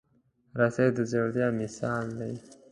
رسۍ د زړورتیا مثال دی.